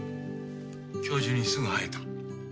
教授にすぐ会えた？